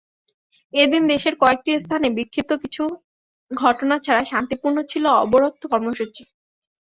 এদিন দেশের কয়েকটি স্থানে বিক্ষিপ্ত কিছু ঘটনা ছাড়া শান্তিপূর্ণ ছিল অবরোধ কর্মসূচি।